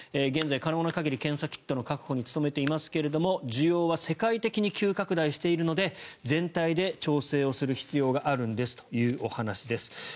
現在、可能な限り検査キットの確保に努めていますが需要は世界的に急拡大しているので全体で調整をする必要があるんですというお話です。